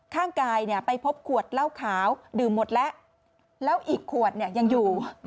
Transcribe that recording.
ข้างกายเนี่ยไปพบขวดเหล้าขาวดื่มหมดแล้วแล้วอีกขวดเนี่ยยังอยู่